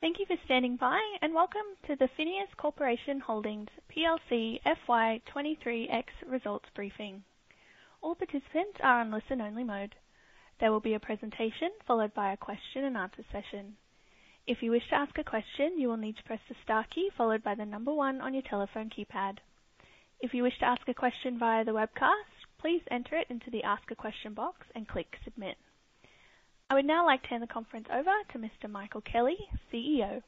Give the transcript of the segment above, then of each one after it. Thank you for standing by and welcome to the FINEOS Corporation Holdings plc FY23X results briefing. All participants are on listen-only mode. There will be a presentation followed by a question-and-answer session. If you wish to ask a question, you will need to press the star key followed by the number one on your telephone keypad. If you wish to ask a question via the webcast, please enter it into the Ask a Question box and click Submit. I would now like to hand the conference over to Mr. Michael Kelly, CEO.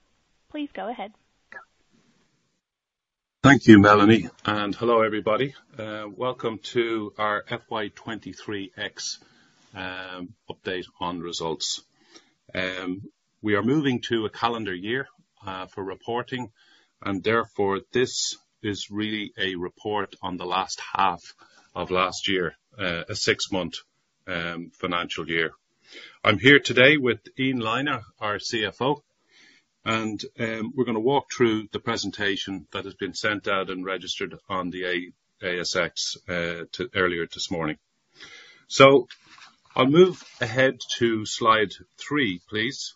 Please go ahead. Thank you, Melanie, and hello, everybody. Welcome to our FY23X update on results. We are moving to a calendar year for reporting, and therefore this is really a report on the last half of last year, a six-month financial year. I'm here today with Ian Lynagh, our CFO, and we're going to walk through the presentation that has been sent out and registered on the ASX earlier this morning. So I'll move ahead to slide 3, please.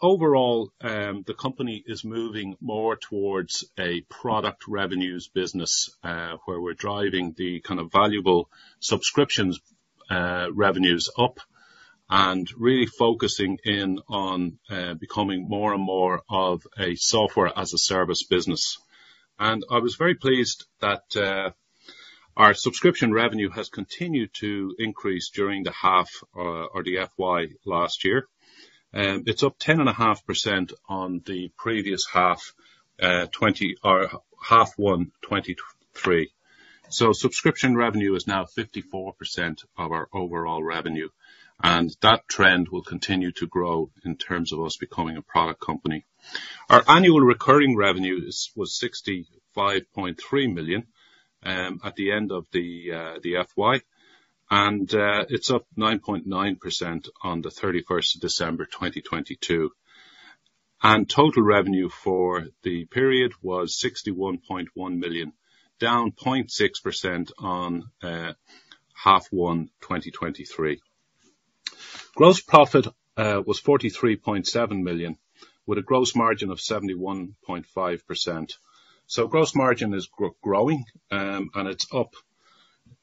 Overall, the company is moving more towards a product revenues business where we're driving the kind of valuable subscriptions revenues up and really focusing in on becoming more and more of a software-as-a-service business. I was very pleased that our subscription revenue has continued to increase during the half or the FY last year. It's up 10.5% on the previous half, half one 2023. So subscription revenue is now 54% of our overall revenue, and that trend will continue to grow in terms of us becoming a product company. Our annual recurring revenue was 65.3 million at the end of the FY, and it's up 9.9% on the 31st of December, 2022. And total revenue for the period was 61.1 million, down 0.6% on half one 2023. Gross profit was 43.7 million with a gross margin of 71.5%. So gross margin is growing, and it's up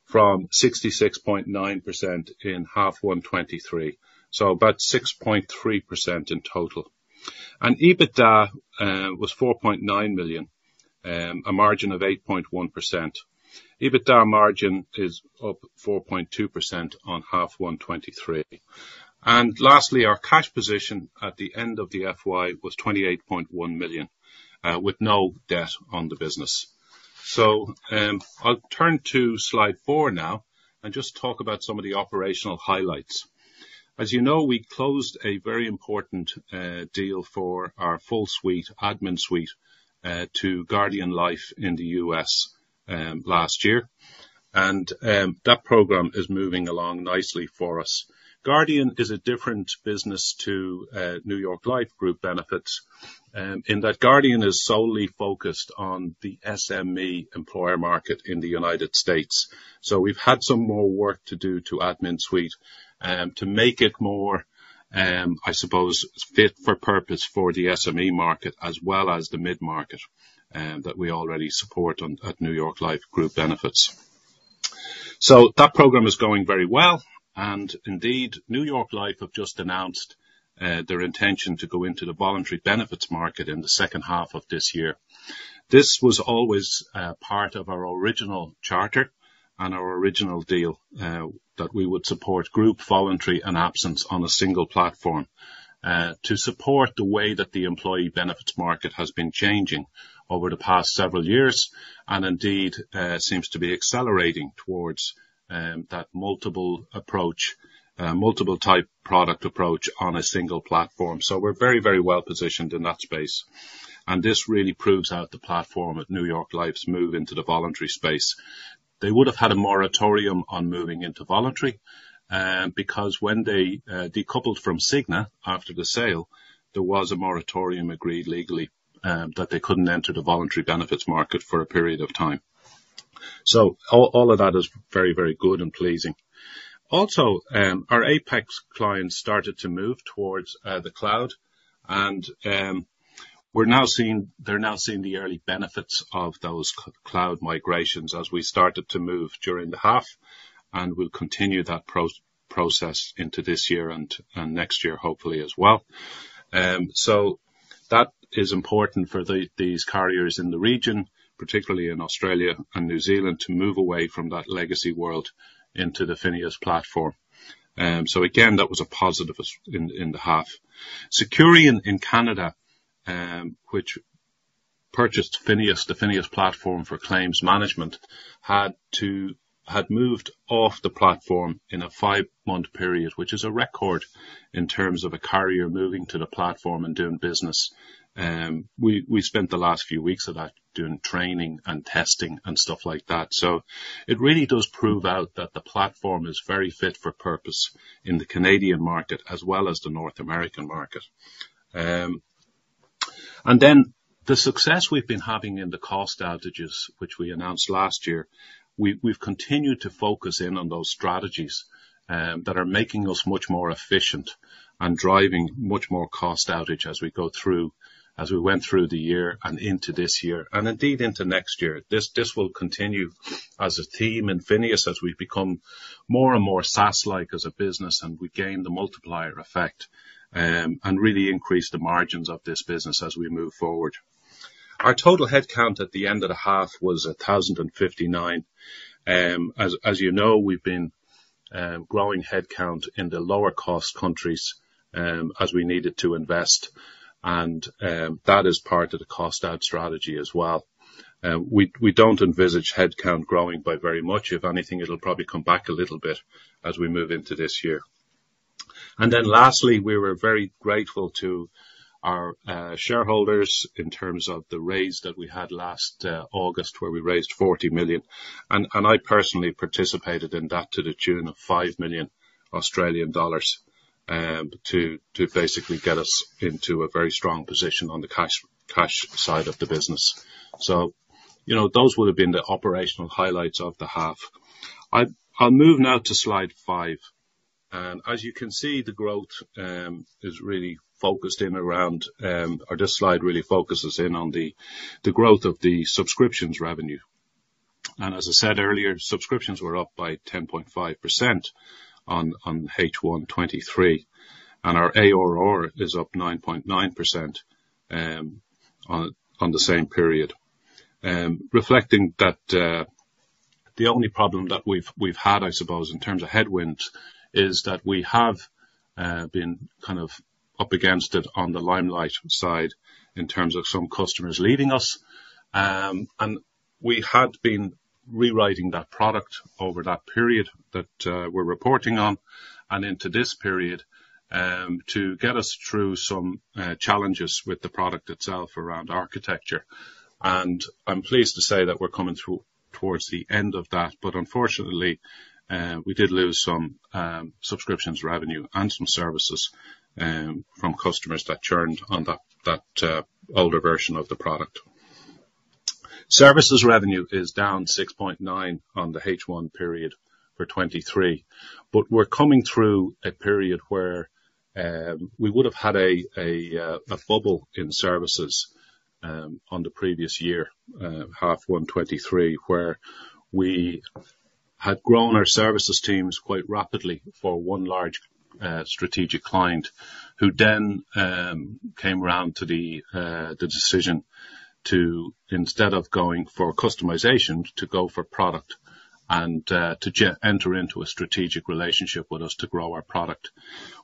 from 66.9% in half one 2023, so about 6.3% in total. And EBITDA was 4.9 million, a margin of 8.1%. EBITDA margin is up 4.2% on half one 2023. And lastly, our cash position at the end of the FY was 28.1 million with no debt on the business. So I'll turn to slide four now and just talk about some of the operational highlights. As you know, we closed a very important deal for our full suite, AdminSuite, to Guardian Life in the U.S. last year. That program is moving along nicely for us. Guardian is a different business to New York Life Group Benefits in that Guardian is solely focused on the SME employer market in the United States. We've had some more work to do to AdminSuite to make it more, I suppose, fit for purpose for the SME market as well as the mid-market that we already support at New York Life Group Benefits. That program is going very well, and indeed, New York Life have just announced their intention to go into the voluntary benefits market in the second half of this year. This was always part of our original charter and our original deal that we would support group, voluntary, and absence on a single platform to support the way that the employee benefits market has been changing over the past several years and indeed seems to be accelerating towards that multiple-type product approach on a single platform. We're very, very well positioned in that space. This really proves out the platform at New York Life's move into the voluntary space. They would have had a moratorium on moving into voluntary because when they decoupled from Cigna after the sale, there was a moratorium agreed legally that they couldn't enter the voluntary benefits market for a period of time. All of that is very, very good and pleasing. Also, our APAC clients started to move towards the cloud, and they're now seeing the early benefits of those cloud migrations as we started to move during the half, and we'll continue that process into this year and next year, hopefully, as well. So that is important for these carriers in the region, particularly in Australia and New Zealand, to move away from that legacy world into the FINEOS platform. So again, that was a positive in the half. Securian in Canada, which purchased FINEOS, the FINEOS platform for claims management, had moved off the platform in a five-month period, which is a record in terms of a carrier moving to the platform and doing business. We spent the last few weeks of that doing training and testing and stuff like that. So it really does prove out that the platform is very fit for purpose in the Canadian market as well as the North American market. And then the success we've been having in the cost outs, which we announced last year, we've continued to focus in on those strategies that are making us much more efficient and driving much more cost outs as we went through the year and into this year and indeed into next year. This will continue as a theme in FINEOS as we've become more and more SaaS-like as a business, and we gain the multiplier effect and really increase the margins of this business as we move forward. Our total headcount at the end of the half was 1,059. As you know, we've been growing headcount in the lower-cost countries as we needed to invest, and that is part of the cost-out strategy as well. We don't envisage headcount growing by very much. If anything, it'll probably come back a little bit as we move into this year. Then lastly, we were very grateful to our shareholders in terms of the raise that we had last August where we raised 40 million. And I personally participated in that to the tune of 5 million Australian dollars to basically get us into a very strong position on the cash side of the business. Those would have been the operational highlights of the half. I'll move now to slide 5. And as you can see, this slide really focuses in on the growth of the subscriptions revenue. And as I said earlier, subscriptions were up by 10.5% on H123, and our ARR is up 9.9% on the same period. Reflecting that, the only problem that we've had, I suppose, in terms of headwinds is that we have been kind of up against it on the Limelight side in terms of some customers leading us. And we had been rewriting that product over that period that we're reporting on and into this period to get us through some challenges with the product itself around architecture. And I'm pleased to say that we're coming towards the end of that, but unfortunately, we did lose some subscriptions revenue and some services from customers that churned on that older version of the product. Services revenue is down 6.9% on the H1 period for 2023, but we're coming through a period where we would have had a bubble in services on the previous year, half one 2023, where we had grown our services teams quite rapidly for one large strategic client who then came around to the decision to, instead of going for customization, to go for product and to enter into a strategic relationship with us to grow our product,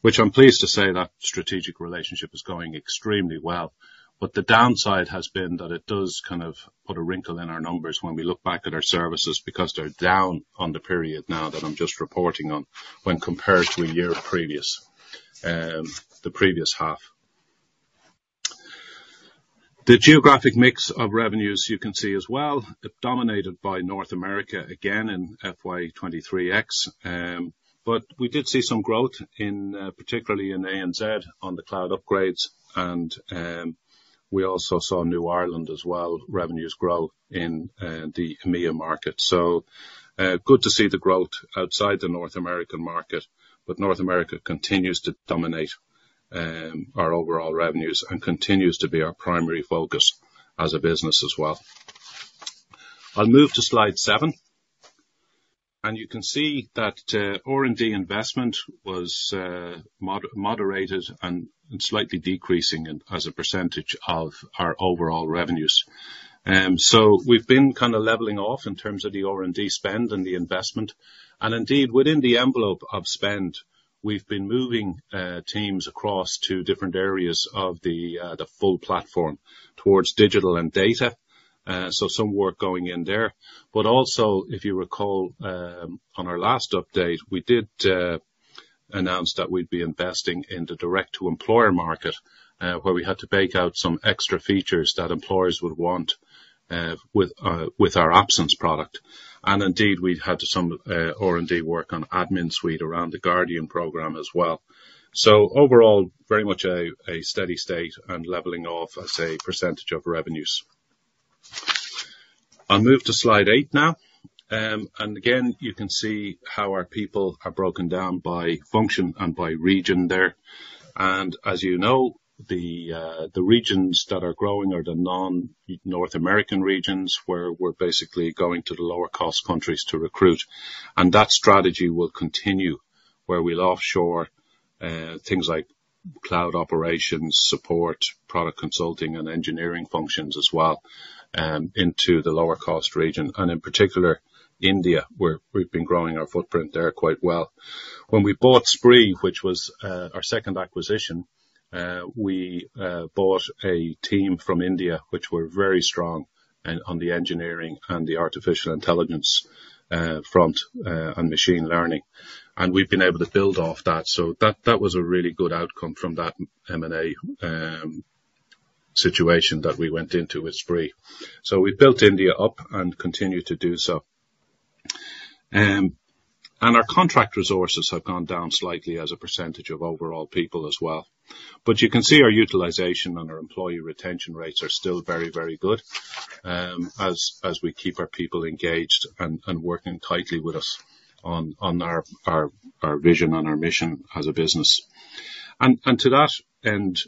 which I'm pleased to say that strategic relationship is going extremely well. But the downside has been that it does kind of put a wrinkle in our numbers when we look back at our services because they're down on the period now that I'm just reporting on when compared to the previous half. The geographic mix of revenues you can see as well dominated by North America again in FY23X, but we did see some growth, particularly in ANZ on the cloud upgrades. We also saw New Ireland as well revenues grow in the EMEA market. Good to see the growth outside the North American market, but North America continues to dominate our overall revenues and continues to be our primary focus as a business as well. I'll move to slide seven. You can see that R&D investment was moderated and slightly decreasing as a percentage of our overall revenues. We've been kind of leveling off in terms of the R&D spend and the investment. Indeed, within the envelope of spend, we've been moving teams across to different areas of the full platform towards digital and data. So some work going in there. But also, if you recall, on our last update, we did announce that we'd be investing in the direct-to-employer market where we had to bake out some extra features that employers would want with our absence product. And indeed, we'd had some R&D work on AdminSuite around the Guardian program as well. So overall, very much a steady state and leveling off as a percentage of revenues. I'll move to slide 8 now. And again, you can see how our people are broken down by function and by region there. And as you know, the regions that are growing are the non-North American regions where we're basically going to the lower-cost countries to recruit. And that strategy will continue where we'll offshore things like cloud operations, support, product consulting, and engineering functions as well into the lower-cost region. In particular, India, we've been growing our footprint there quite well. When we bought Spraoi, which was our second acquisition, we bought a team from India which were very strong on the engineering and the artificial intelligence front and machine learning. We've been able to build off that. That was a really good outcome from that M&A situation that we went into with Spraoi. We built India up and continue to do so. Our contract resources have gone down slightly as a percentage of overall people as well. But you can see our utilization and our employee retention rates are still very, very good as we keep our people engaged and working tightly with us on our vision and our mission as a business. To that end,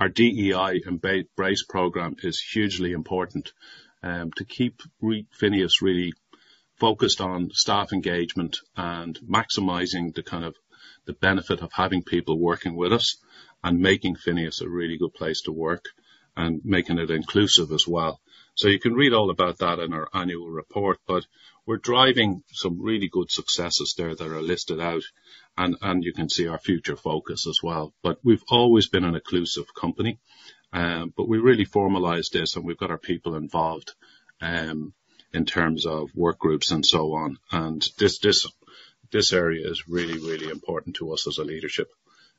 our DEI and BRAIS program is hugely important to keep FINEOS really focused on staff engagement and maximizing the kind of benefit of having people working with us and making FINEOS a really good place to work and making it inclusive as well. So you can read all about that in our annual report, but we're driving some really good successes there that are listed out. And you can see our future focus as well. But we've always been an inclusive company, but we really formalized this, and we've got our people involved in terms of workgroups and so on. And this area is really, really important to us as a leadership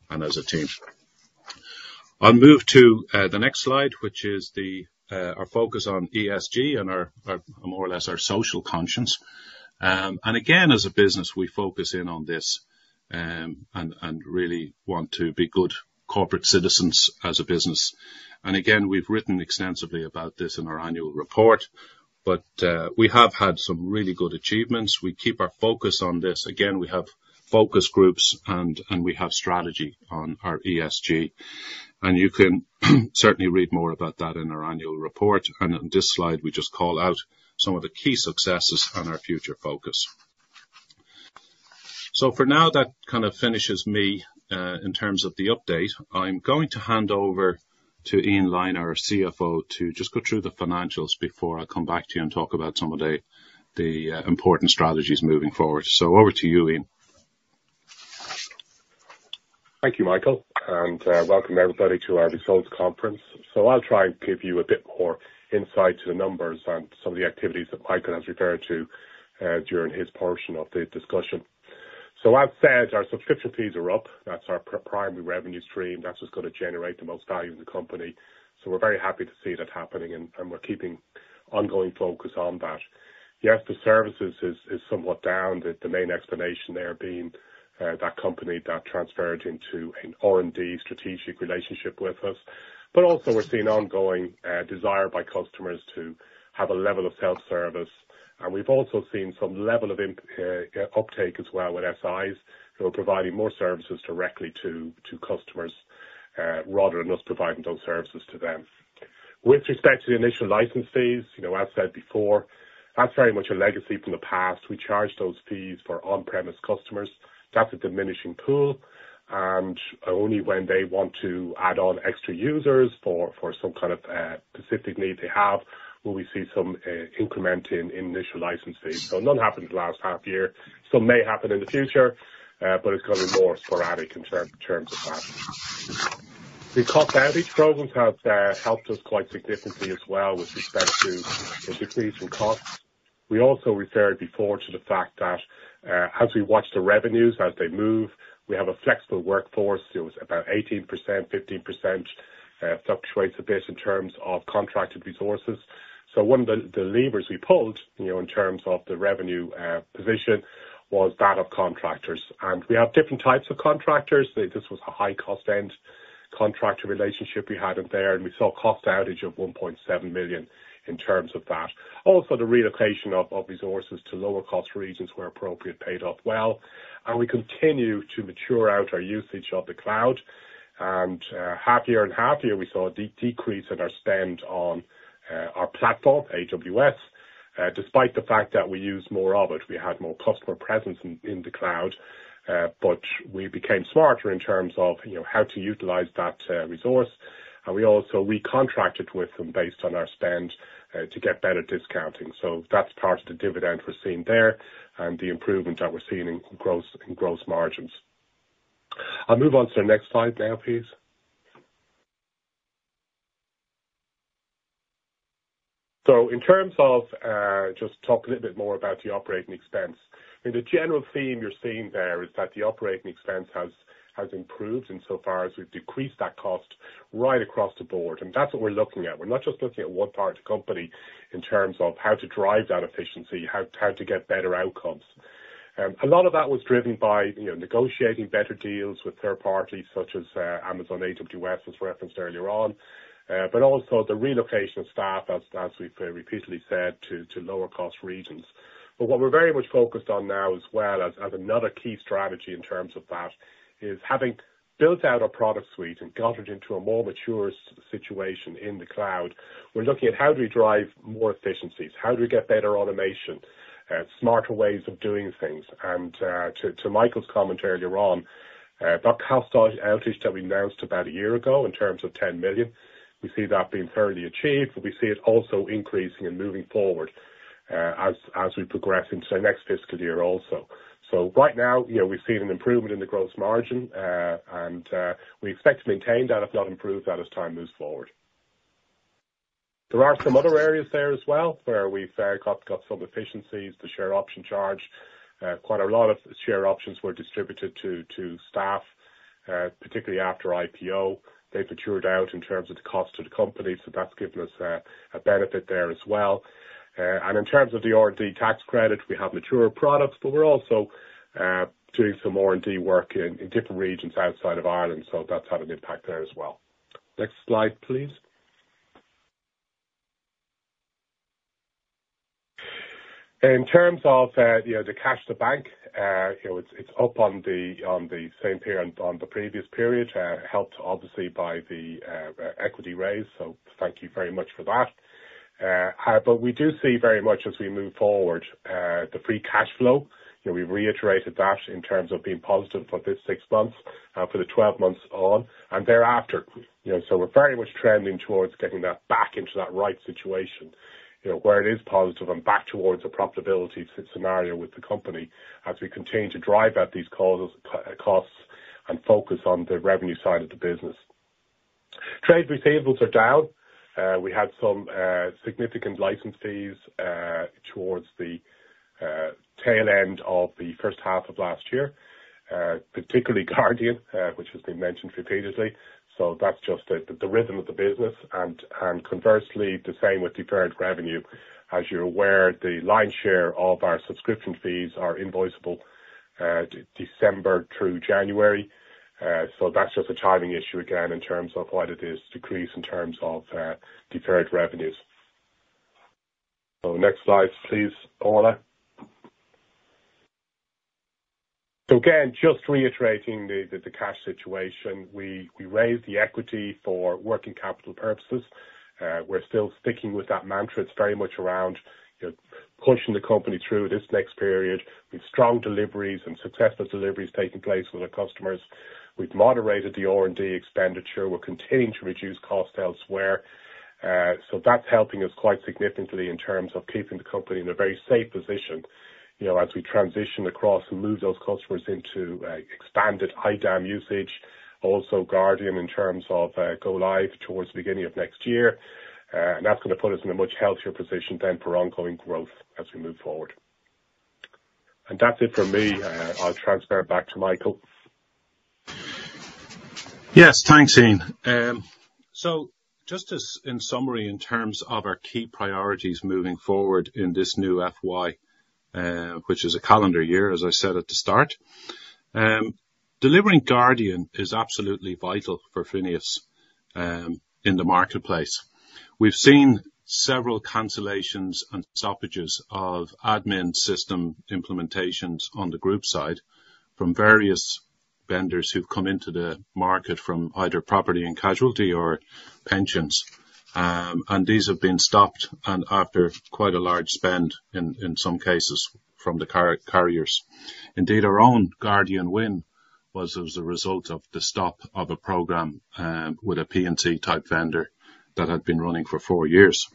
and as a team. I'll move to the next slide, which is our focus on ESG and more or less our social conscience. And again, as a business, we focus in on this and really want to be good corporate citizens as a business. And again, we've written extensively about this in our annual report, but we have had some really good achievements. We keep our focus on this. Again, we have focus groups, and we have strategy on our ESG. And you can certainly read more about that in our annual report. And on this slide, we just call out some of the key successes and our future focus. So for now, that kind of finishes me in terms of the update. I'm going to hand over to Ian Lynagh, our CFO, to just go through the financials before I come back to you and talk about some of the important strategies moving forward. So over to you, Ian. Thank you, Michael, and welcome everybody to our results conference. I'll try and give you a bit more insight to the numbers and some of the activities that Michael has referred to during his portion of the discussion. As said, our subscription fees are up. That's our primary revenue stream. That's what's going to generate the most value in the company. We're very happy to see that happening, and we're keeping ongoing focus on that. Yes, the services is somewhat down. The main explanation there being that company that transferred into an R&D strategic relationship with us. But also, we're seeing ongoing desire by customers to have a level of self-service. And we've also seen some level of uptake as well with SIs who are providing more services directly to customers rather than us providing those services to them. With respect to the initial license fees, as said before, that's very much a legacy from the past. We charge those fees for on-premise customers. That's a diminishing pool. And only when they want to add on extra users for some kind of specific need they have will we see some increment in initial license fees. So none happened in the last half year. Some may happen in the future, but it's going to be more sporadic in terms of that. The cost outage programs have helped us quite significantly as well with respect to a decrease in cost. We also referred before to the fact that as we watch the revenues as they move, we have a flexible workforce. It was about 18%, 15%, fluctuates a bit in terms of contracted resources. So one of the levers we pulled in terms of the revenue position was that of contractors. And we have different types of contractors. This was a high-cost end contractor relationship we had in there, and we saw a cost outage of 1.7 million in terms of that. Also, the relocation of resources to lower-cost regions where appropriate paid off well. And we continue to mature out our usage of the cloud. And happier and happier, we saw a decrease in our spend on our platform, AWS. Despite the fact that we use more of it, we had more customer presence in the cloud, but we became smarter in terms of how to utilize that resource. And we also recontracted with them based on our spend to get better discounting. So that's part of the dividend we're seeing there and the improvement that we're seeing in gross margins. I'll move on to the next slide now, please. So in terms of just talk a little bit more about the operating expense, I mean, the general theme you're seeing there is that the operating expense has improved insofar as we've decreased that cost right across the board. And that's what we're looking at. We're not just looking at one part of the company in terms of how to drive that efficiency, how to get better outcomes. A lot of that was driven by negotiating better deals with third parties such as Amazon AWS was referenced earlier on, but also the relocation of staff, as we've repeatedly said, to lower-cost regions. But what we're very much focused on now as well as another key strategy in terms of that is having built out our product suite and got it into a more mature situation in the cloud. We're looking at how do we drive more efficiencies? How do we get better automation, smarter ways of doing things? To Michael's comment earlier on, that cost outage that we announced about a year ago in terms of 10 million, we see that being thoroughly achieved, but we see it also increasing and moving forward as we progress into the next fiscal year also. So right now, we've seen an improvement in the gross margin, and we expect to maintain that if not improve that as time moves forward. There are some other areas there as well where we've got some efficiencies, the share option charge. Quite a lot of share options were distributed to staff, particularly after IPO. They've matured out in terms of the cost to the company, so that's given us a benefit there as well. In terms of the R&D tax credit, we have mature products, but we're also doing some R&D work in different regions outside of Ireland, so that's had an impact there as well. Next slide, please. In terms of the cash to bank, it's up on the same period on the previous period, helped obviously by the equity raise. So thank you very much for that. But we do see very much, as we move forward, the free cash flow. We've reiterated that in terms of being positive for this six months and for the 12 months on and thereafter. So we're very much trending towards getting that back into that right situation where it is positive and back towards a profitability scenario with the company as we continue to drive out these costs and focus on the revenue side of the business. Trade receivables are down. We had some significant license fees towards the tail end of the first half of last year, particularly Guardian, which has been mentioned repeatedly. So that's just the rhythm of the business. And conversely, the same with deferred revenue. As you're aware, the lion's share of our subscription fees are invoiceable December through January. So that's just a timing issue again in terms of what it is to increase in terms of deferred revenues. So next slides, please, Paula. So again, just reiterating the cash situation, we raised the equity for working capital purposes. We're still sticking with that mantra. It's very much around pushing the company through this next period with strong deliveries and successful deliveries taking place with our customers. We've moderated the R&D expenditure. We're continuing to reduce costs elsewhere. So that's helping us quite significantly in terms of keeping the company in a very safe position as we transition across and move those customers into expanded IDAM usage, also Guardian in terms of go-live towards the beginning of next year. That's going to put us in a much healthier position then for ongoing growth as we move forward. That's it from me. I'll transfer back to Michael. Yes, thanks, Ian. So just in summary, in terms of our key priorities moving forward in this new FY, which is a calendar year, as I said at the start, delivering Guardian is absolutely vital for FINEOS in the marketplace. We've seen several cancellations and stoppages of admin system implementations on the group side from various vendors who've come into the market from either property and casualty or pensions. And these have been stopped after quite a large spend in some cases from the carriers. Indeed, our own Guardian win was as a result of the stop of a program with a P&T type vendor that had been running for four years.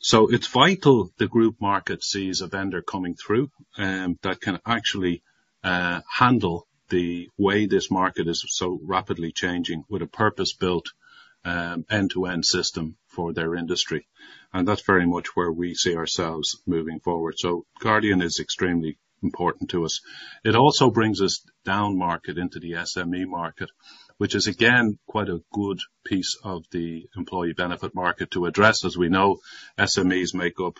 So it's vital the group market sees a vendor coming through that can actually handle the way this market is so rapidly changing with a purpose-built end-to-end system for their industry. That's very much where we see ourselves moving forward. Guardian is extremely important to us. It also brings us down market into the SME market, which is, again, quite a good piece of the employee benefit market to address. As we know, SMEs make up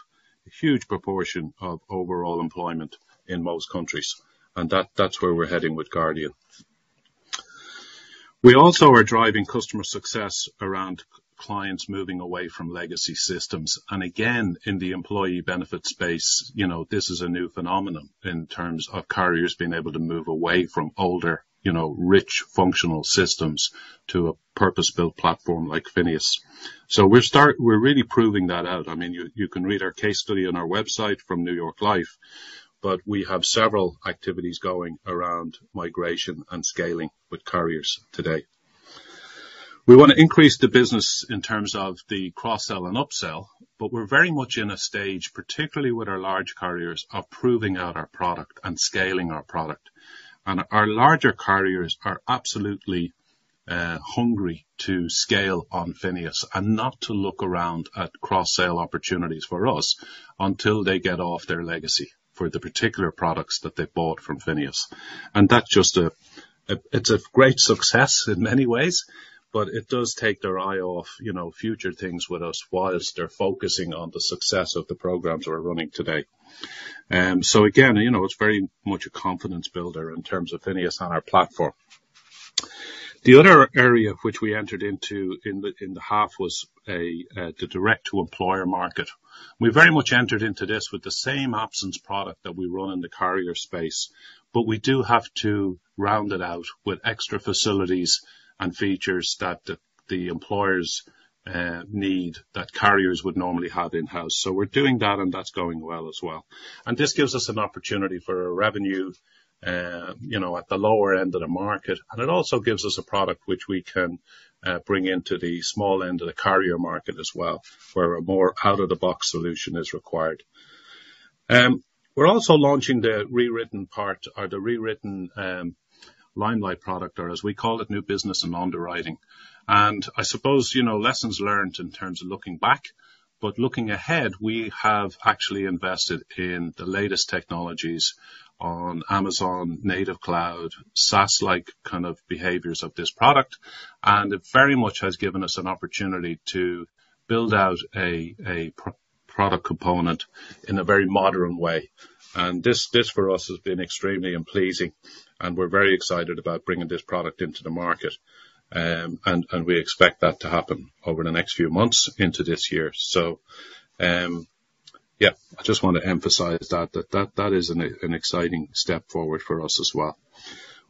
a huge proportion of overall employment in most countries. That's where we're heading with Guardian. We also are driving customer success around clients moving away from legacy systems. Again, in the employee benefit space, this is a new phenomenon in terms of carriers being able to move away from older, rich, functional systems to a purpose-built platform like FINEOS. We're really proving that out. I mean, you can read our case study on our website from New York Life, but we have several activities going around migration and scaling with carriers today. We want to increase the business in terms of the cross-sell and upsell, but we're very much in a stage, particularly with our large carriers, of proving out our product and scaling our product. And our larger carriers are absolutely hungry to scale on FINEOS and not to look around at cross-sell opportunities for us until they get off their legacy for the particular products that they bought from FINEOS. And it's a great success in many ways, but it does take their eye off future things with us while they're focusing on the success of the programs we're running today. So again, it's very much a confidence builder in terms of FINEOS on our platform. The other area of which we entered into in the half was the direct-to-employer market. We very much entered into this with the same absence product that we run in the carrier space, but we do have to round it out with extra facilities and features that the employers need that carriers would normally have in-house. So we're doing that, and that's going well as well. And this gives us an opportunity for a revenue at the lower end of the market. And it also gives us a product which we can bring into the small end of the carrier market as well where a more out-of-the-box solution is required. We're also launching the rewritten part or the rewritten Limelight product, or as we call it, new business and underwriting. And I suppose lessons learned in terms of looking back. But looking ahead, we have actually invested in the latest technologies on Amazon Native Cloud, SaaS-like kind of behaviours of this product. It very much has given us an opportunity to build out a product component in a very modern way. And this, for us, has been extremely pleasing. And we're very excited about bringing this product into the market. And we expect that to happen over the next few months into this year. So yeah, I just want to emphasize that that is an exciting step forward for us as well.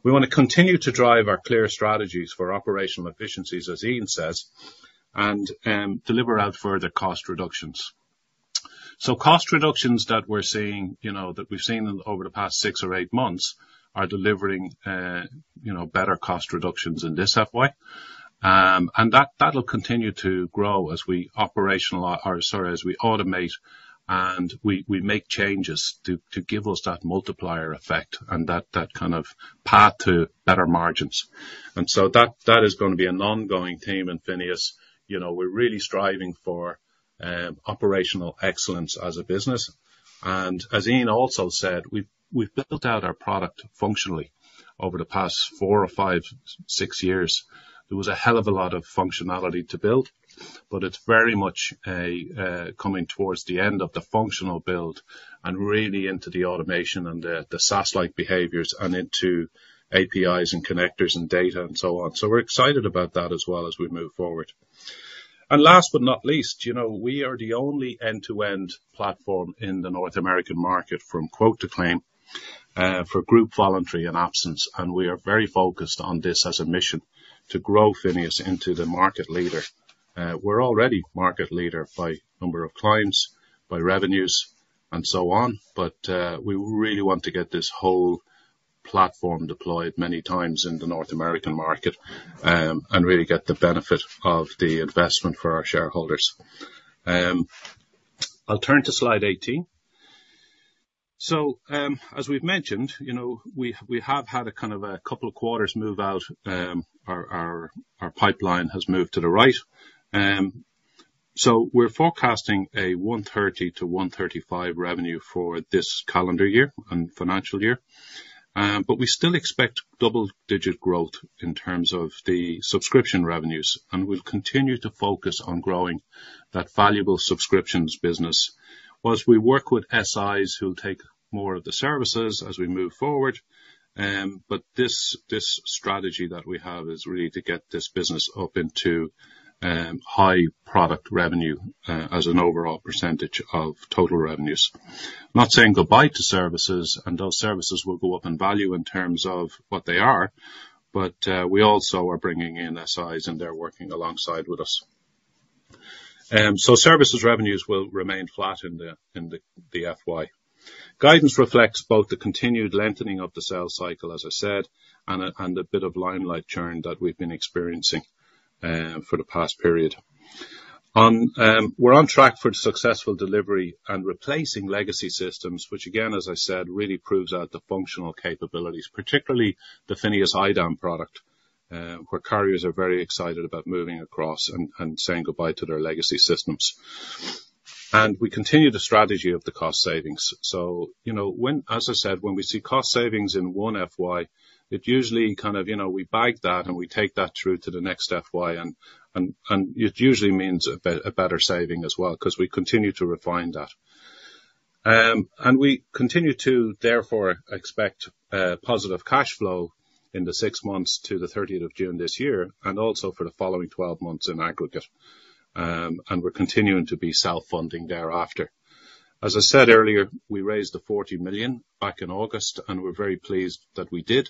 We want to continue to drive our clear strategies for operational efficiencies, as Ian says, and deliver out further cost reductions. So cost reductions that we're seeing that we've seen over the past six or eight months are delivering better cost reductions in this FY. And that will continue to grow as we operationalize or sorry, as we automate and we make changes to give us that multiplier effect and that kind of path to better margins. So that is going to be an ongoing theme in FINEOS. We're really striving for operational excellence as a business. As Ian also said, we've built out our product functionally over the past four or five, six years. There was a hell of a lot of functionality to build, but it's very much coming towards the end of the functional build and really into the automation and the SaaS-like behaviours and into APIs and connectors and data and so on. So we're excited about that as well as we move forward. Last but not least, we are the only end-to-end platform in the North American market from quote to claim for group voluntary and absence. We are very focused on this as a mission to grow FINEOS into the market leader. We're already market leader by number of clients, by revenues, and so on. But we really want to get this whole platform deployed many times in the North American market and really get the benefit of the investment for our shareholders. I'll turn to slide 18. So as we've mentioned, we have had a kind of a couple of quarters move out. Our pipeline has moved to the right. So we're forecasting a 130 million-135 million revenue for this calendar year and financial year. But we still expect double-digit growth in terms of the subscription revenues. And we'll continue to focus on growing that valuable subscriptions business whilst we work with SIs who'll take more of the services as we move forward. But this strategy that we have is really to get this business up into high product revenue as an overall percentage of total revenues. Not saying goodbye to services, and those services will go up in value in terms of what they are. But we also are bringing in SIs, and they're working alongside with us. So services revenues will remain flat in the FY. Guidance reflects both the continued lengthening of the sales cycle, as I said, and a bit of Limelight churn that we've been experiencing for the past period. We're on track for successful delivery and replacing legacy systems, which again, as I said, really proves out the functional capabilities, particularly the FINEOS IDAM product where carriers are very excited about moving across and saying goodbye to their legacy systems. And we continue the strategy of the cost savings. So as I said, when we see cost savings in one FY, it usually kind of we bag that, and we take that through to the next FY. And it usually means a better saving as well because we continue to refine that. And we continue to, therefore, expect positive cash flow in the six months to the 30th of June this year and also for the following 12 months in aggregate. And we're continuing to be self-funding thereafter. As I said earlier, we raised the 40 million back in August, and we're very pleased that we did.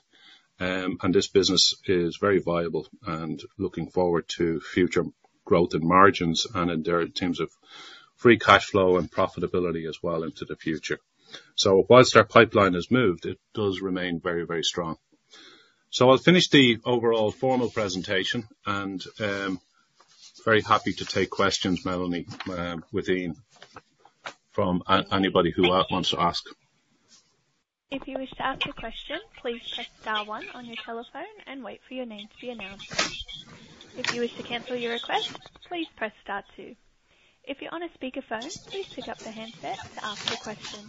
And this business is very viable and looking forward to future growth in margins and in terms of free cash flow and profitability as well into the future. So whilst our pipeline has moved, it does remain very, very strong. So I'll finish the overall formal presentation, and very happy to take questions, Melanie, with Ian from anybody who wants to ask. If you wish to ask a question, please press star one on your telephone and wait for your name to be announced. If you wish to cancel your request, please press star two. If you're on a speakerphone, please pick up the handset to ask a question.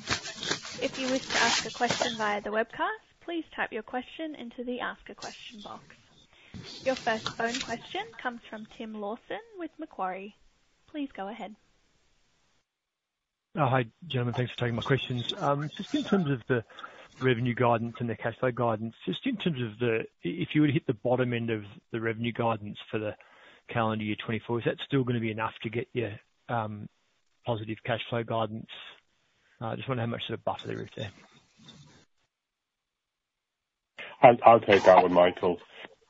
If you wish to ask a question via the webcast, please type your question into the ask-a-question box. Your first phone question comes from Tim Lawson with Macquarie. Please go ahead. Hi, gentlemen. Thanks for taking my questions. Just in terms of the revenue guidance and the cash flow guidance, just in terms of the if you were to hit the bottom end of the revenue guidance for the calendar year 2024, is that still going to be enough to get your positive cash flow guidance? I just want to know how much sort of buffer there is there. I'll take that one, Michael.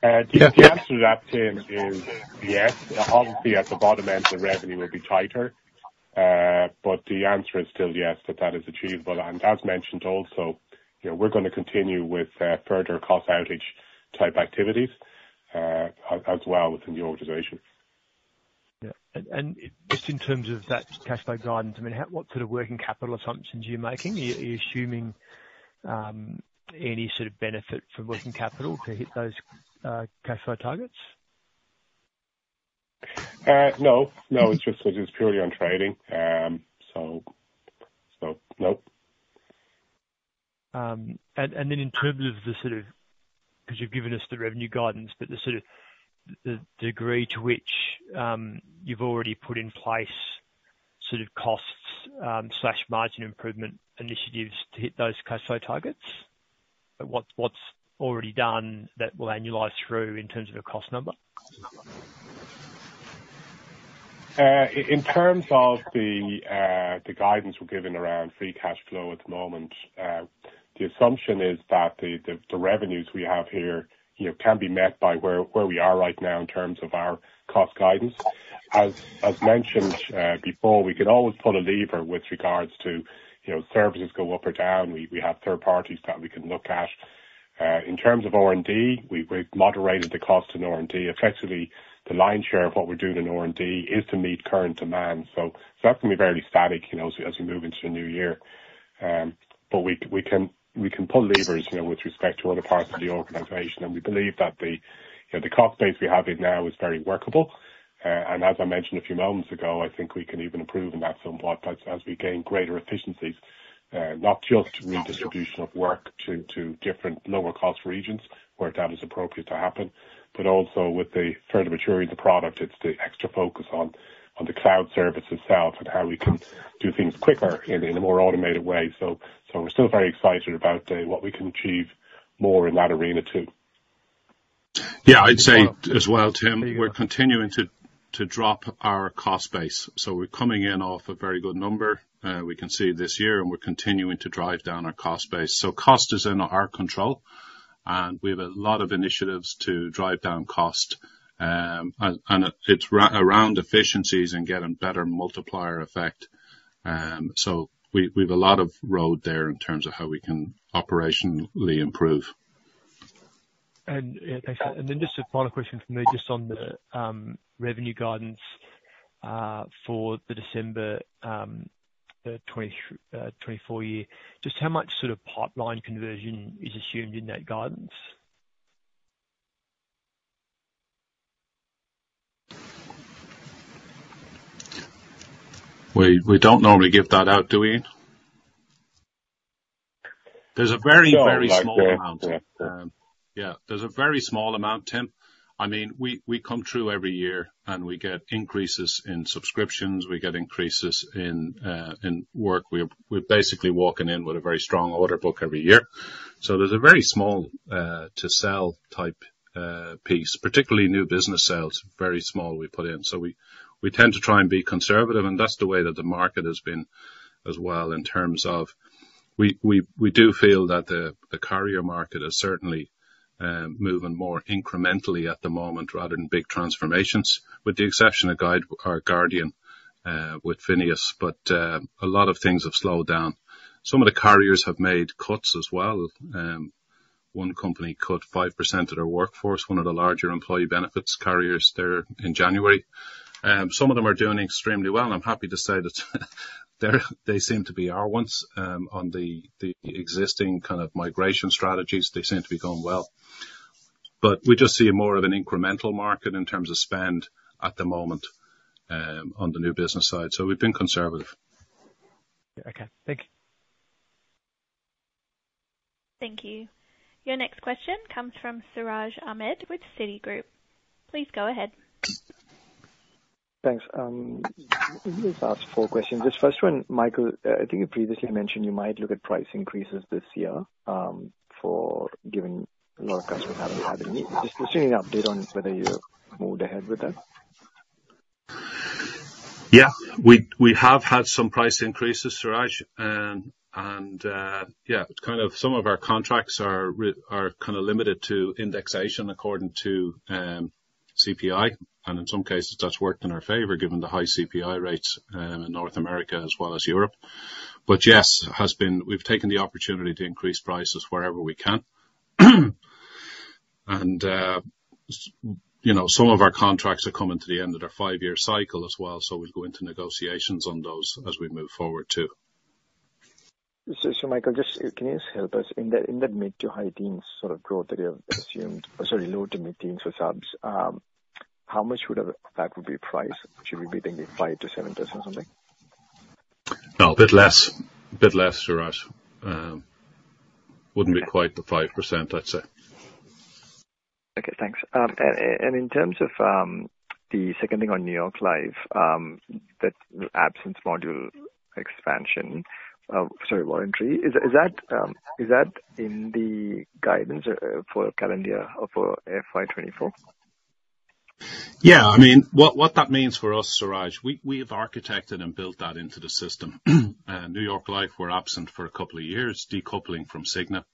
The answer to that, Tim, is yes. Obviously, at the bottom end, the revenue will be tighter. But the answer is still yes that that is achievable. And as mentioned also, we're going to continue with further cost outage type activities as well within the organization. Yeah. And just in terms of that cash flow guidance, I mean, what sort of working capital assumptions are you making? Are you assuming any sort of benefit from working capital to hit those cash flow targets? No. No. It's purely on trading. So nope. Then in terms of the sort of, because you've given us the revenue guidance, but the sort of degree to which you've already put in place sort of costs/margin improvement initiatives to hit those cash flow targets. What's already done that will annualize through in terms of a cost number? In terms of the guidance we're giving around free cash flow at the moment, the assumption is that the revenues we have here can be met by where we are right now in terms of our cost guidance. As mentioned before, we can always pull a lever with regards to services go up or down. We have third parties that we can look at. In terms of R&D, we've moderated the cost in R&D. Effectively, the lion's share of what we're doing in R&D is to meet current demand. So that can be very static as we move into a new year. But we can pull levers with respect to other parts of the organization. And we believe that the cost base we have in now is very workable. As I mentioned a few moments ago, I think we can even improve on that somewhat as we gain greater efficiencies, not just redistribution of work to different lower-cost regions where that is appropriate to happen, but also with the further maturity of the product, it's the extra focus on the cloud service itself and how we can do things quicker in a more automated way. So we're still very excited about what we can achieve more in that arena too. Yeah. I'd say as well, Tim, we're continuing to drop our cost base. So we're coming in off a very good number. We can see this year, and we're continuing to drive down our cost base. So cost is in our control, and we have a lot of initiatives to drive down cost. And it's around efficiencies and getting better multiplier effect. So we have a lot of road there in terms of how we can operationally improve. And yeah, thanks. And then just a final question from me, just on the revenue guidance for the December 2024 year. Just how much sort of pipeline conversion is assumed in that guidance? We don't normally give that out, do we? Yeah. There's a very small amount, Tim. I mean, we come through every year, and we get increases in subscriptions. We get increases in work. We're basically walking in with a very strong order book every year. So there's a very small-to-sell type piece, particularly new business sales, very small we put in. So we tend to try and be conservative. And that's the way that the market has been as well in terms of we do feel that the carrier market is certainly moving more incrementally at the moment rather than big transformations, with the exception of Guardian with FINEOS. But a lot of things have slowed down. Some of the carriers have made cuts as well. One company cut 5% of their workforce, one of the larger employee benefits carriers there in January. Some of them are doing extremely well. I'm happy to say that they seem to be our ones. On the existing kind of migration strategies, they seem to be going well. But we just see more of an incremental market in terms of spend at the moment on the new business side. So we've been conservative. Okay. Thank you. Thank you. Your next question comes from Siraj Ahmed with Citigroup. Please go ahead. Thanks. Let me just ask four questions. This first one, Michael, I think you previously mentioned you might look at price increases this year given a lot of customers haven't had any. Just sending an update on whether you've moved ahead with that. Yeah. We have had some price increases, Siraj. And yeah, kind of some of our contracts are kind of limited to indexation according to CPI. And in some cases, that's worked in our favor given the high CPI rates in North America as well as Europe. But yes, we've taken the opportunity to increase prices wherever we can. And some of our contracts are coming to the end of their five-year cycle as well. So we'll go into negotiations on those as we move forward too. So Michael, can you just help us? In that mid to high teens sort of growth that you have assumed—sorry, low to mid teens for subs—how much would that be priced? Should we be thinking 5%-7% or something? No, a bit less. A bit less, Siraj. Wouldn't be quite the 5%, I'd say. Okay. Thanks. And in terms of the second thing on New York Life, that absence module expansion sorry, voluntary, is that in the guidance for calendar year or for FY 2024? Yeah. I mean, what that means for us, Siraj, we have architected and built that into the system. New York Life, we're absent for a couple of years, decoupling from Cigna.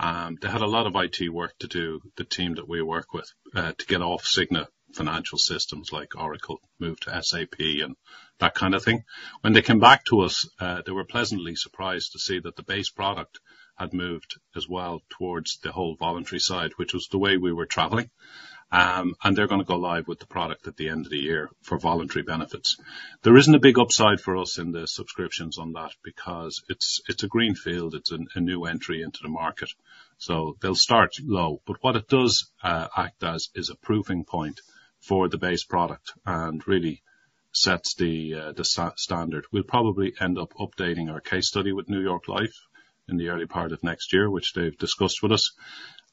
They had a lot of IT work to do, the team that we work with, to get off Cigna financial systems like Oracle, move to SAP, and that kind of thing. When they came back to us, they were pleasantly surprised to see that the base product had moved as well towards the whole voluntary side, which was the way we were travelling. And they're going to go live with the product at the end of the year for voluntary benefits. There isn't a big upside for us in the subscriptions on that because it's a green field. It's a new entry into the market. So they'll start low. What it does act as is a proving point for the base product and really sets the standard. We'll probably end up updating our case study with New York Life in the early part of next year, which they've discussed with us.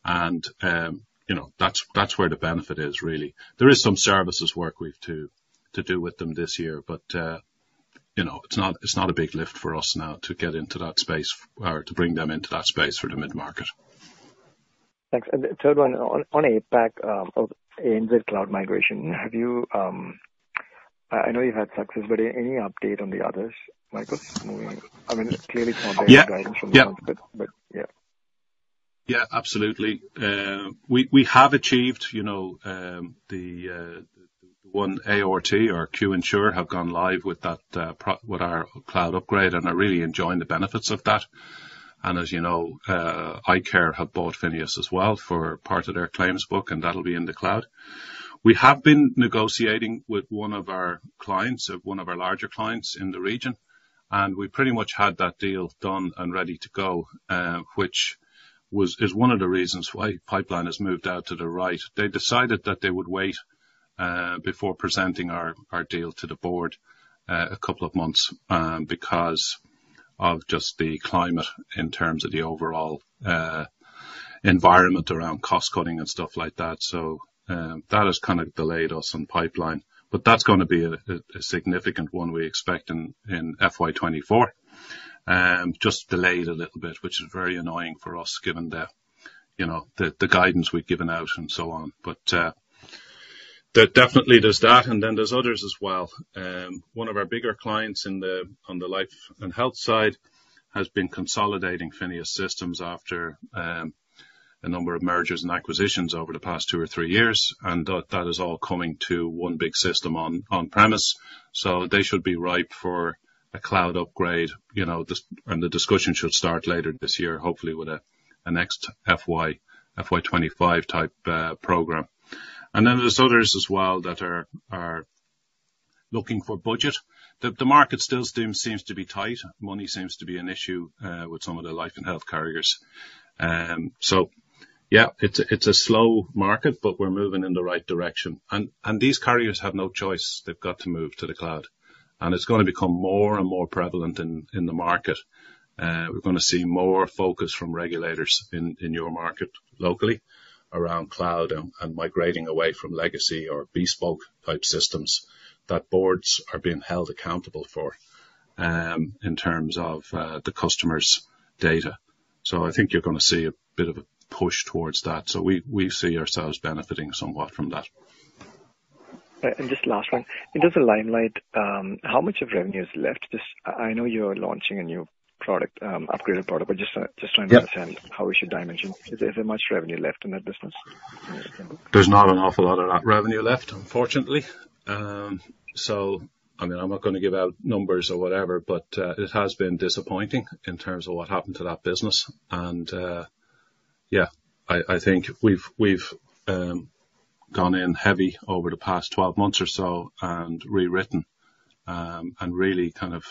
That's where the benefit is, really. There is some services work we've to do with them this year, but it's not a big lift for us now to get into that space or to bring them into that space for the mid-market. Thanks. And third one, on a back end of cloud migration, I know you've had success, but any update on the others, Michael? I mean, clearly it's not there in the guidance from the month, but yeah. Yeah. Absolutely. We have achieved the one. Our QInsure have gone live with our cloud upgrade, and I really enjoy the benefits of that. And as you know, icare have bought FINEOS as well for part of their claims book, and that'll be in the cloud. We have been negotiating with one of our clients, one of our larger clients in the region. And we pretty much had that deal done and ready to go, which is one of the reasons why pipeline has moved out to the right. They decided that they would wait before presenting our deal to the board a couple of months because of just the climate in terms of the overall environment around cost-cutting and stuff like that. So that has kind of delayed us on pipeline. But that's going to be a significant one we expect in FY 2024, just delayed a little bit, which is very annoying for us given the guidance we've given out and so on. But definitely, there's that. And then there's others as well. One of our bigger clients on the life and health side has been consolidating FINEOS systems after a number of mergers and acquisitions over the past two or three years. And that is all coming to one big system on-premise. So they should be ripe for a cloud upgrade. And the discussion should start later this year, hopefully, with a next FY 2025 type program. And then there's others as well that are looking for budget. The market still seems to be tight. Money seems to be an issue with some of the life and health carriers. Yeah, it's a slow market, but we're moving in the right direction. These carriers have no choice. They've got to move to the cloud. It's going to become more and more prevalent in the market. We're going to see more focus from regulators in your market locally around cloud and migrating away from legacy or bespoke type systems that boards are being held accountable for in terms of the customers' data. I think you're going to see a bit of a push towards that. We see ourselves benefiting somewhat from that. Just last one. In terms of Limelight, how much of revenue is left? I know you're launching a new product, upgraded product, but just trying to understand how we should dimension. Is there much revenue left in that business? There's not an awful lot of that revenue left, unfortunately. So I mean, I'm not going to give out numbers or whatever, but it has been disappointing in terms of what happened to that business. And yeah, I think we've gone in heavy over the past 12 months or so and rewritten and really kind of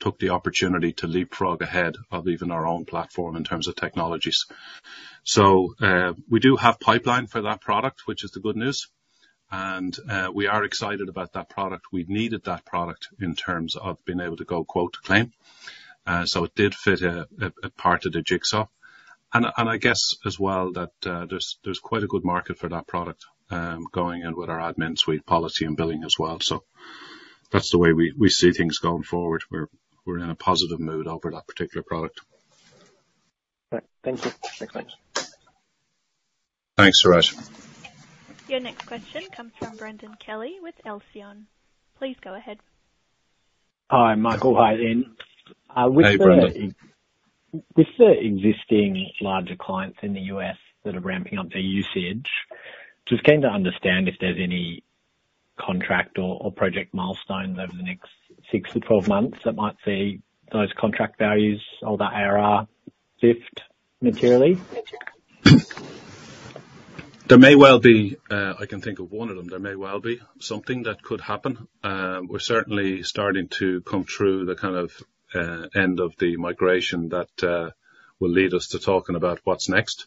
took the opportunity to leapfrog ahead of even our own platform in terms of technologies. So we do have pipeline for that product, which is the good news. And we are excited about that product. We needed that product in terms of being able to go quote to claim. So it did fit part of the jigsaw. And I guess as well that there's quite a good market for that product going in with our AdminSuite, policy, and billing as well. So that's the way we see things going forward. We're in a positive mood over that particular product. Right. Thank you. Thanks. Thanks, Siraj. Your next question comes from Brendon Kelly with Alceon. Please go ahead. Hi, Michael. Hi there. Hey, Brendon. With the existing larger clients in the U.S. that are ramping up their usage, just came to understand if there's any contract or project milestones over the next six to 12 months that might see those contract values or that ARR shift materially? There may well be. I can think of one of them. There may well be something that could happen. We're certainly starting to come through the kind of end of the migration that will lead us to talking about what's next.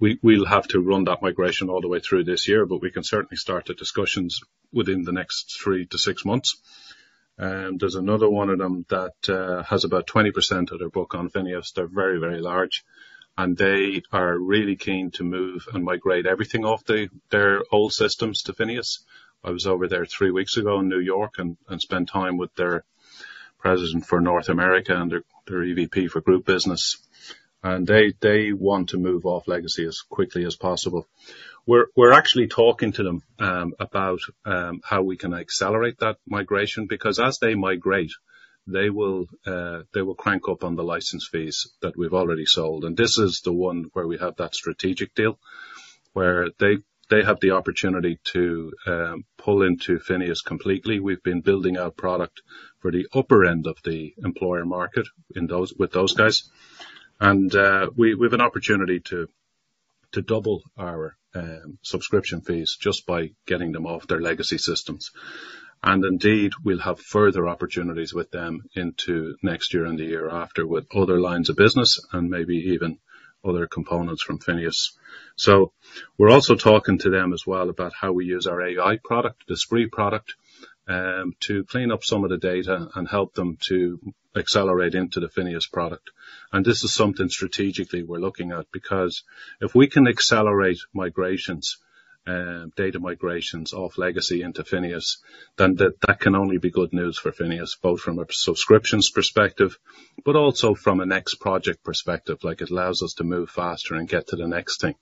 We'll have to run that migration all the way through this year, but we can certainly start the discussions within the next three to six months. There's another one of them that has about 20% of their book on FINEOS. They're very, very large. And they are really keen to move and migrate everything off their old systems to FINEOS. I was over there three weeks ago in New York and spent time with their president for North America and their EVP for group business. And they want to move off legacy as quickly as possible. We're actually talking to them about how we can accelerate that migration because as they migrate, they will crank up on the license fees that we've already sold. And this is the one where we have that strategic deal where they have the opportunity to pull into FINEOS completely. We've been building out product for the upper end of the employer market with those guys. And we have an opportunity to double our subscription fees just by getting them off their legacy systems. And indeed, we'll have further opportunities with them into next year and the year after with other lines of business and maybe even other components from FINEOS. So we're also talking to them as well about how we use our AI product, the Spraoi product, to clean up some of the data and help them to accelerate into the FINEOS product. This is something strategically we're looking at because if we can accelerate data migrations off legacy into FINEOS, then that can only be good news for FINEOS, both from a subscriptions perspective but also from a next project perspective. It allows us to move faster and get to the next thing.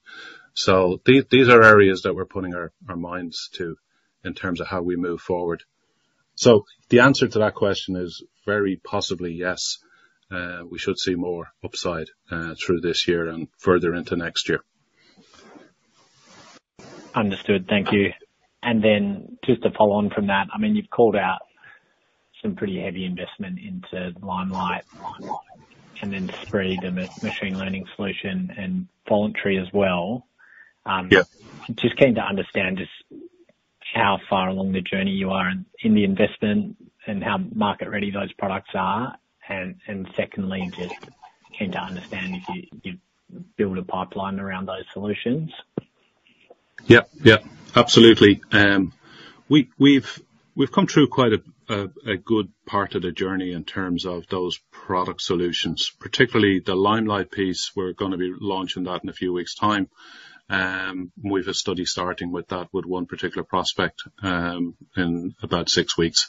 These are areas that we're putting our minds to in terms of how we move forward. The answer to that question is very possibly yes. We should see more upside through this year and further into next year. Understood. Thank you. And then just to follow on from that, I mean, you've called out some pretty heavy investment into Limelight and then Spraoi, the machine learning solution, and voluntary as well. Just keen to understand just how far along the journey you are in the investment and how market-ready those products are. And secondly, just keen to understand if you build a pipeline around those solutions. Yep. Yep. Absolutely. We've come through quite a good part of the journey in terms of those product solutions, particularly the Limelight piece. We're going to be launching that in a few weeks' time. We have a study starting with that with one particular prospect in about six weeks.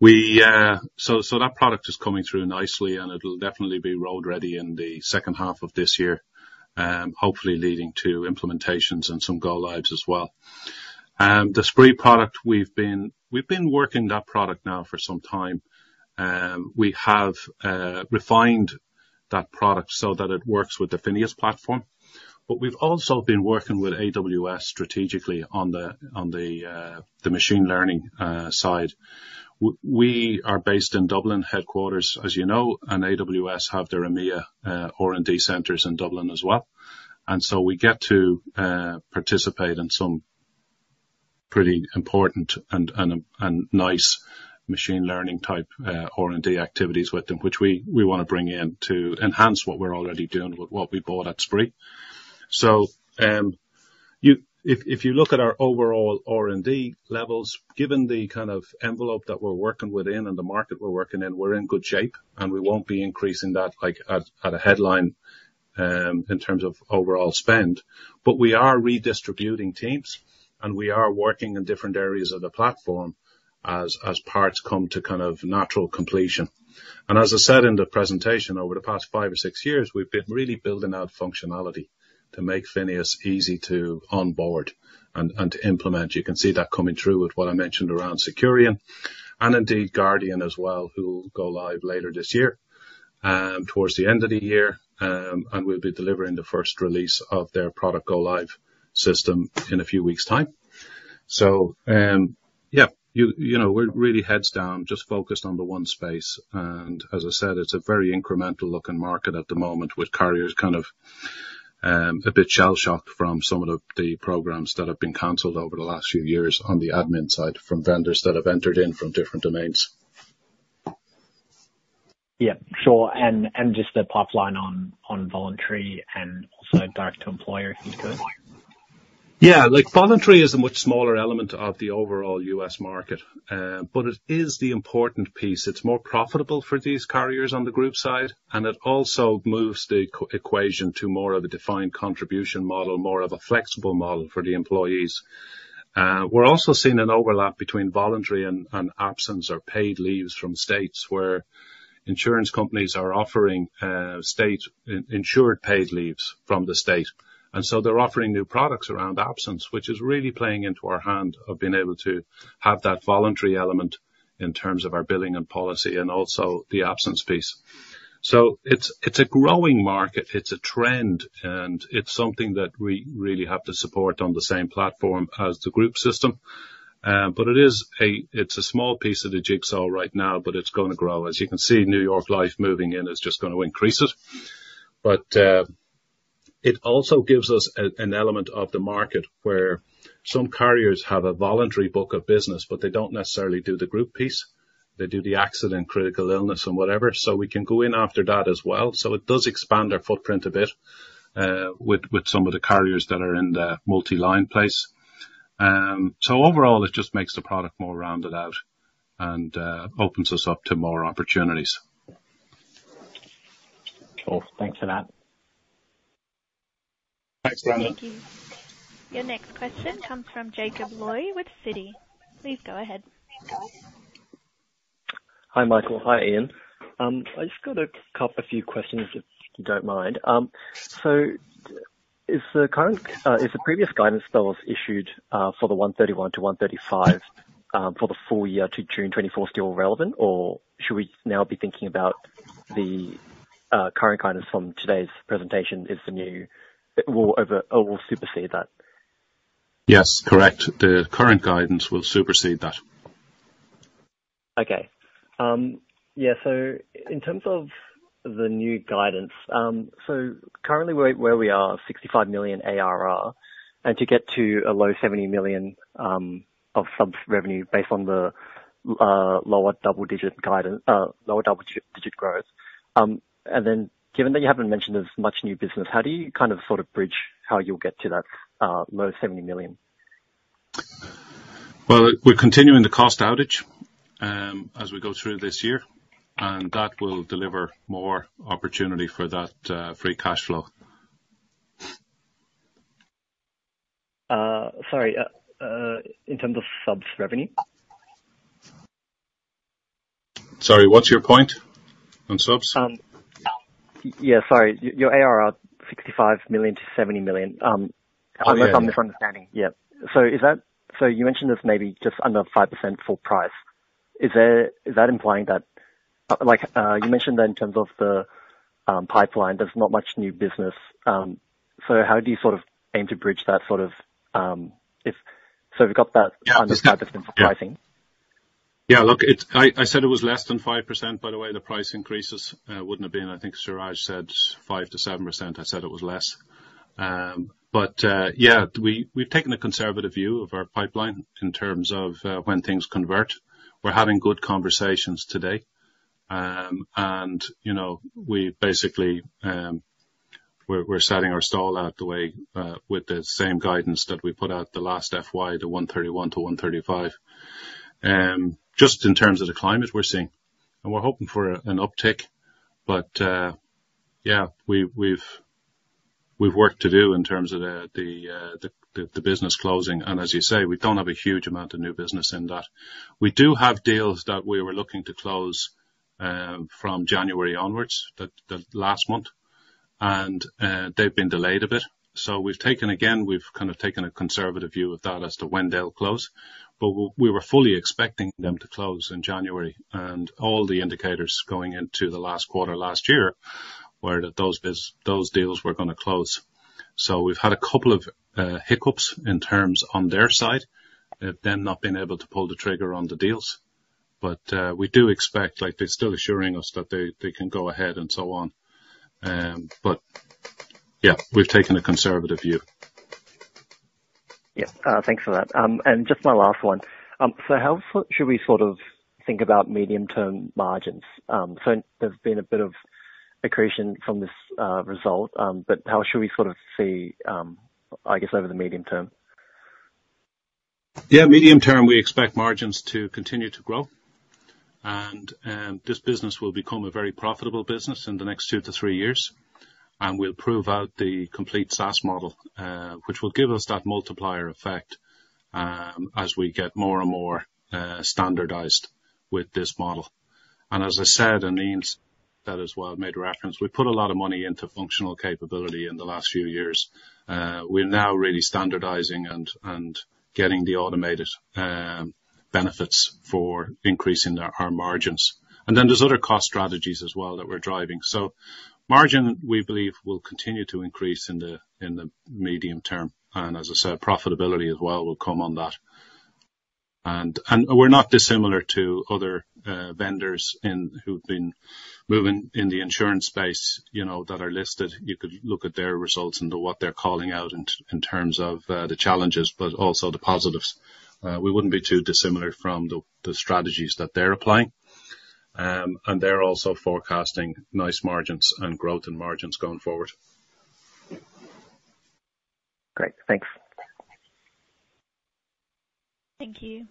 So that product is coming through nicely, and it'll definitely be road-ready in the second half of this year, hopefully leading to implementations and some go-lives as well. The Spraoi product, we've been working that product now for some time. We have refined that product so that it works with the FINEOS platform. But we've also been working with AWS strategically on the machine learning side. We are based in Dublin headquarters, as you know, and AWS have their EMEA R&D centers in Dublin as well. And so we get to participate in some pretty important and nice machine learning-type R&D activities with them, which we want to bring in to enhance what we're already doing with what we bought at Spraoi. So if you look at our overall R&D levels, given the kind of envelope that we're working within and the market we're working in, we're in good shape. And we won't be increasing that at a headline in terms of overall spend. But we are redistributing teams, and we are working in different areas of the platform as parts come to kind of natural completion. And as I said in the presentation, over the past 5 or 6 years, we've been really building out functionality to make FINEOS easy to onboard and to implement. You can see that coming through with what I mentioned around Securian and indeed Guardian as well, who will go live later this year towards the end of the year. We'll be delivering the first release of their product go-live system in a few weeks' time. So yeah, we're really heads down, just focused on the one space. And as I said, it's a very incremental-looking market at the moment with carriers kind of a bit shell-shocked from some of the programs that have been cancelled over the last few years on the admin side from vendors that have entered in from different domains. Yep. Sure. And just a pop line on voluntary and also direct-to-employer, if you could. Yeah. Voluntary is a much smaller element of the overall U.S. market, but it is the important piece. It's more profitable for these carriers on the group side, and it also moves the equation to more of a defined contribution model, more of a flexible model for the employees. We're also seeing an overlap between voluntary and absence or paid leaves from states where insurance companies are offering insured paid leaves from the state. And so they're offering new products around absence, which is really playing into our hand of being able to have that voluntary element in terms of our billing and policy and also the absence piece. So it's a growing market. It's a trend, and it's something that we really have to support on the same platform as the group system. But it's a small piece of the jigsaw right now, but it's going to grow. As you can see, New York Life moving in is just going to increase it. But it also gives us an element of the market where some carriers have a voluntary book of business, but they don't necessarily do the group piece. They do the accident, critical illness, and whatever. So we can go in after that as well. So it does expand our footprint a bit with some of the carriers that are in the multi-line place. So overall, it just makes the product more rounded out and opens us up to more opportunities. Cool. Thanks for that. Thanks, Brendon. Thank you. Your next question comes from Jacob Loi with Citi. Please go ahead. Hi, Michael. Hi, Ian. I just got a couple of few questions, if you don't mind. Is the previous guidance that was issued for the 131 million-135 million for the full year to June 2024 still relevant, or should we now be thinking about the current guidance from today's presentation is the new it will supersede that? Yes. Correct. The current guidance will supersede that. Okay. Yeah. So in terms of the new guidance, currently where we are is 65 million ARR. And to get to a low 70 million of subscription revenue based on the lower double-digit growth and then given that you haven't mentioned as much new business, how do you kind of sort of bridge how you'll get to that low 70 million? Well, we're continuing the cost outage as we go through this year. That will deliver more opportunity for that free cash flow. Sorry. In terms of subs revenue? Sorry. What's your point on subs? Yeah. Sorry. Your ARR, 65 million-70 million. Oh, yeah. I'm misunderstanding. Yeah. So you mentioned there's maybe just under 5% full price. Is that implying that you mentioned that in terms of the pipeline, there's not much new business. So how do you sort of aim to bridge that sort of so we've got that under 5% for pricing? Yeah. Look, I said it was less than 5%. By the way, the price increases wouldn't have been, I think Siraj said, 5%-7%. I said it was less. But yeah, we've taken a conservative view of our pipeline in terms of when things convert. We're having good conversations today. And we basically we're setting our stall out the way with the same guidance that we put out the last FY, the 131 million-135 million, just in terms of the climate we're seeing. And we're hoping for an uptick. But yeah, we've work to do in terms of the business closing. And as you say, we don't have a huge amount of new business in that. We do have deals that we were looking to close from January onwards, the last month. And they've been delayed a bit. So again, we've kind of taken a conservative view of that as to when they'll close. But we were fully expecting them to close in January. And all the indicators going into the last quarter last year were that those deals were going to close. So we've had a couple of hiccups in terms of their side, them not being able to pull the trigger on the deals. But we do expect they're still assuring us that they can go ahead and so on. But yeah, we've taken a conservative view. Yes. Thanks for that. And just my last one. So how should we sort of think about medium-term margins? So there's been a bit of accretion from this result. But how should we sort of see, I guess, over the medium term? Yeah. Medium term, we expect margins to continue to grow. And this business will become a very profitable business in the next two to three years. And we'll prove out the complete SaaS model, which will give us that multiplier effect as we get more and more standardized with this model. And as I said, and Ian said that as well, made reference, we put a lot of money into functional capability in the last few years. We're now really standardizing and getting the automated benefits for increasing our margins. And then there's other cost strategies as well that we're driving. So margin, we believe, will continue to increase in the medium term. And as I said, profitability as well will come on that. And we're not dissimilar to other vendors who've been moving in the insurance space that are listed. You could look at their results and what they're calling out in terms of the challenges but also the positives. We wouldn't be too dissimilar from the strategies that they're applying. They're also forecasting nice margins and growth in margins going forward. Great. Thanks. Thank you.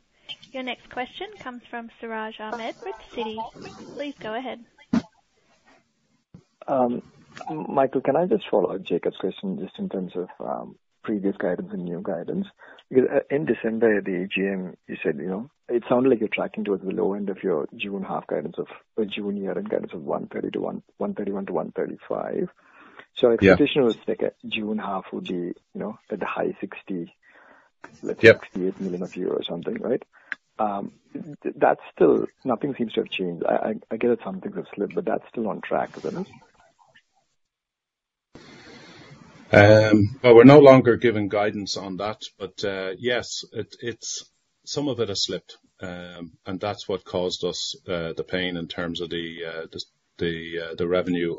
Your next question comes from Siraj Ahmed with Citi. Please go ahead. Michael, can I just follow up Jacob's question just in terms of previous guidance and new guidance? Because in December, the AGM, you said it sounded like you're tracking towards the low end of your June half guidance of, or June year-end guidance of 131 million-135 million. So if conditional was thicker, June half would be at the high 60 million, let's say, 68 million euro ARR or something, right? Nothing seems to have changed. I get that some things have slipped, but that's still on track, isn't it? Well, we're no longer given guidance on that. But yes, some of it has slipped. And that's what caused us the pain in terms of the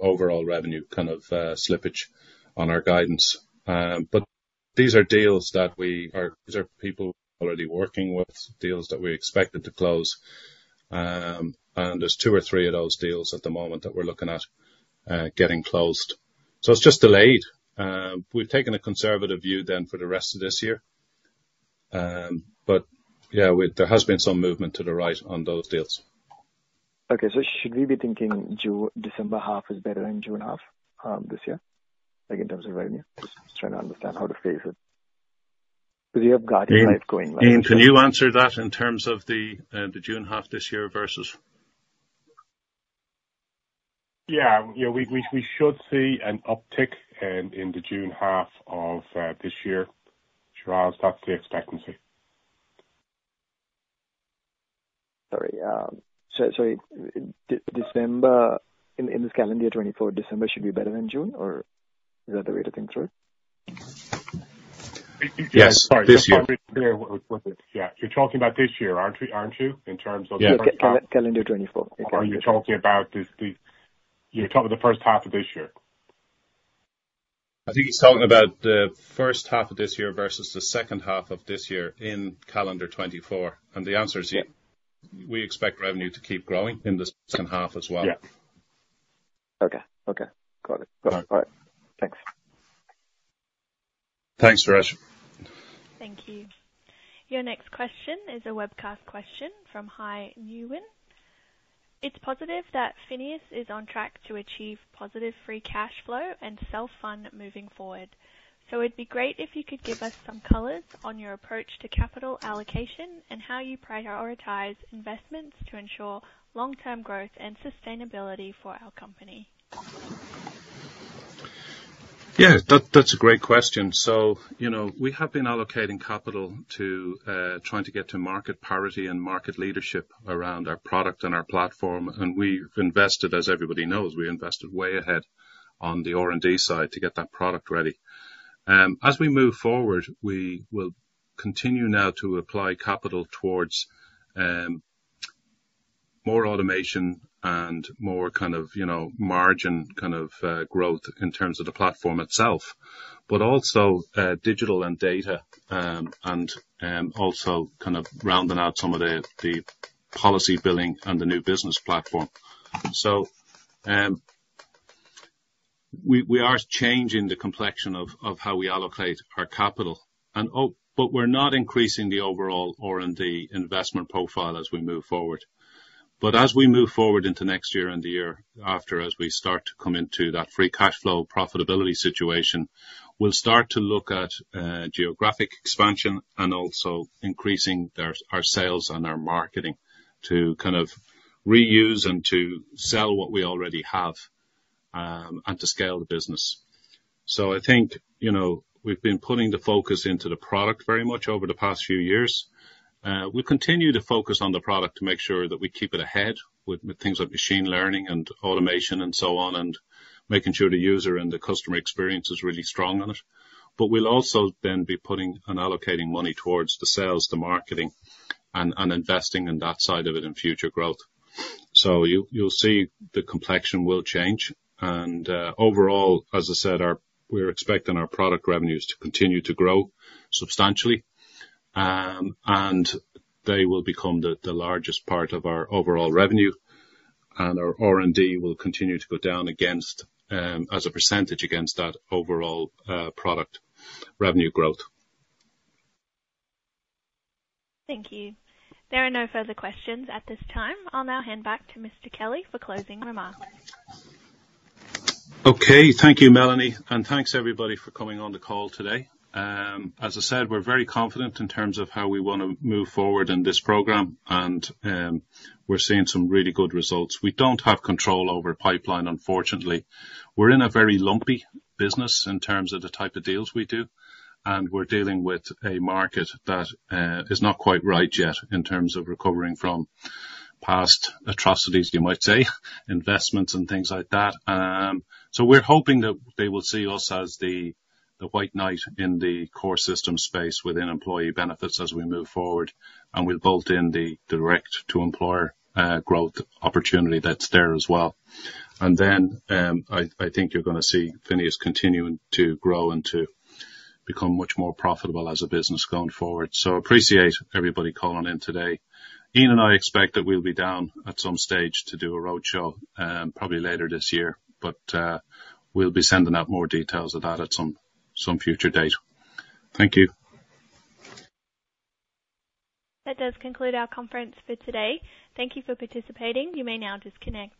overall revenue kind of slippage on our guidance. But these are deals that we are. These are people already working with, deals that we expected to close. And there's two or three of those deals at the moment that we're looking at getting closed. So it's just delayed. We've taken a conservative view then for the rest of this year. But yeah, there has been some movement to the right on those deals. Okay. So should we be thinking December half is better than June half this year in terms of revenue? Just trying to understand how to phase it. Because you have Guardian Life going last year. Ian, can you answer that in terms of the June half this year versus? Yeah. We should see an uptick in the June half of this year, Siraj. That's the expectancy. Sorry. So in this calendar year, 2024, December should be better than June, or is that the way to think through it? Yes. Sorry. This year. I'm not really clear with it. Yeah. You're talking about this year, aren't you, in terms of the first half? Yeah. Calendar year, 2024. Okay. Are you talking about the first half of this year? I think he's talking about the first half of this year versus the second half of this year in calendar 2024. The answer is we expect revenue to keep growing in the second half as well. Yeah. Okay. Okay. Got it. Got it. All right. Thanks. Thanks, Siraj. Thank you. Your next question is a webcast question from Hai Nguyen Yeah. That's a great question. So we have been allocating capital to trying to get to market parity and market leadership around our product and our platform. And we've invested, as everybody knows, we invested way ahead on the R&D side to get that product ready. As we move forward, we will continue now to apply capital towards more automation and more kind of margin kind of growth in terms of the platform itself but also digital and data and also kind of rounding out some of the policy billing and the new business platform. So we are changing the complexion of how we allocate our capital. But we're not increasing the overall R&D investment profile as we move forward. But as we move forward into next year and the year after, as we start to come into that free cash flow profitability situation, we'll start to look at geographic expansion and also increasing our sales and our marketing to kind of reuse and to sell what we already have and to scale the business. So I think we've been putting the focus into the product very much over the past few years. We'll continue to focus on the product to make sure that we keep it ahead with things like machine learning and automation and so on and making sure the user and the customer experience is really strong on it. But we'll also then be putting and allocating money towards the sales, the marketing, and investing in that side of it in future growth. So you'll see the complexion will change. And overall, as I said, we're expecting our product revenues to continue to grow substantially. And they will become the largest part of our overall revenue. And our R&D will continue to go down as a percentage against that overall product revenue growth. Thank you. There are no further questions at this time. I'll now hand back to Mr. Kelly for closing remarks. Okay. Thank you, Melanie. Thanks, everybody, for coming on the call today. As I said, we're very confident in terms of how we want to move forward in this program. We're seeing some really good results. We don't have control over pipeline, unfortunately. We're in a very lumpy business in terms of the type of deals we do. We're dealing with a market that is not quite right yet in terms of recovering from past atrocities, you might say, investments and things like that. We're hoping that they will see us as the white knight in the core system space within employee benefits as we move forward. We'll bolt in the direct-to-employer growth opportunity that's there as well. Then I think you're going to see FINEOS continuing to grow and to become much more profitable as a business going forward. Appreciate everybody calling in today. Ian and I expect that we'll be down at some stage to do a roadshow probably later this year. We'll be sending out more details of that at some future date. Thank you. That does conclude our conference for today. Thank you for participating. You may now disconnect.